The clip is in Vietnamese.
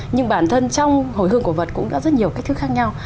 nhưng bản thân trong hồi hương cổ vật cũng đã rất nhiều cách thức khác nhau